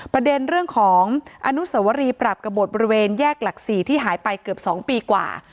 ประเด็นเรื่องของอนุสวรีปรับกระบดบริเวณแยกหลัก๔ที่หายไปเกือบ๒ปีกว่า